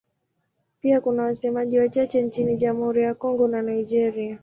Pia kuna wasemaji wachache nchini Jamhuri ya Kongo na Nigeria.